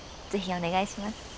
是非お願いします。